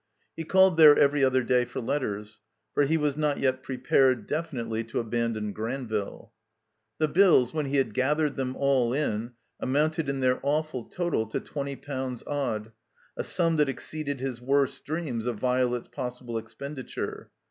He called there every other day for letters; for he was not yet prepared, definitely, to abandon Granville. The bills, when he had gathered them all in, amounted in their awful total to twenty pounds odd, a sum that exceeded his worst dreams of Violet's possible expenditure.